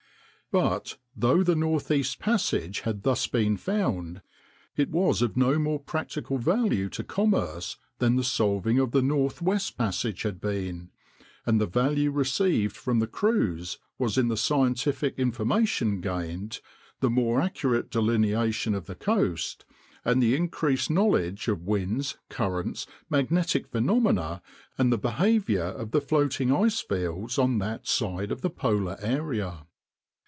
But though the Northeast Passage had thus been found, it was of no more practical value to commerce than the solving of the Northwest Passage had been, and the value received from the cruise was in the scientific information gained, the more accurate delineation of the coast, and the increased knowledge of winds, currents, magnetic phenomena, and the behavior of the floating ice fields on that side of the polar area.